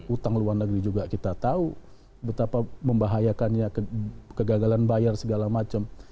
utang luar negeri juga kita tahu betapa membahayakannya kegagalan bayar segala macam